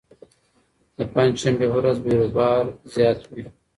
د پنجشنبې په ورځ بېروبار زیات وي.